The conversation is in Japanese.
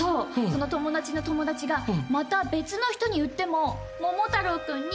その友達の友達がまた別の人に売っても桃太郎君に２％入るの。